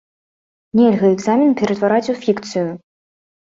Нельга экзамен ператвараць у фікцыю!